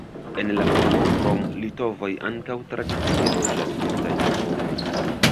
En la urbo krom litovoj ankaŭ tradicie loĝas multaj poloj.